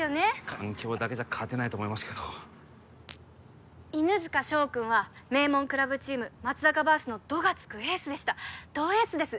環境だけじゃ勝てないと思いますけど犬塚翔君は名門クラブチーム松阪バーズの「ど」がつくエースでしたどエースです